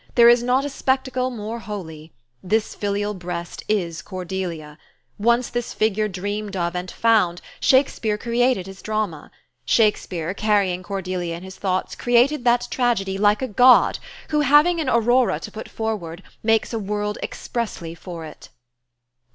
There is not a spectacle more holy. This filial breast is Cordelia. Once this figure dreamed of and found, Shakespeare created his drama.... Shakespeare, carrying Cordelia in his thoughts, created that tragedy like a god who, having an aurora to put forward, makes a world expressly for it."